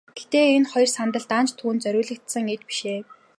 Гэхдээ энэ хоёр сандал даанч түүнд зориулагдсан эд биш ээ.